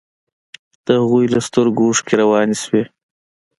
د هغوى له سترگو اوښکې روانې سوې.